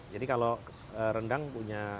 jadi kalau rendang punya